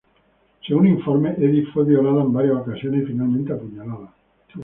Según informes, Eddy fue violada en varias ocasiones y finalmente apuñalada.